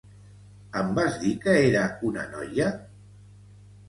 Em vas dir que era una noia?